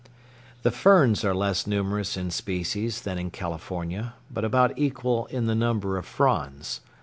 The ferns are less numerous in species than in California, but about equal in the number of fronds.